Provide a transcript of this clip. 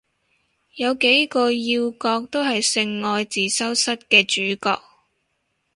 有幾個要角都係性愛自修室嘅主角